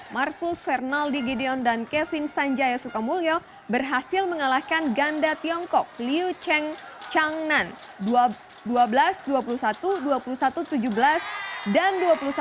marcus fernaldi gideon dan kevin sanjaya sukamulyo berhasil mengalahkan ganda tiongkok liu cheng changnan dua belas dua puluh satu dua puluh satu tujuh belas dan dua puluh satu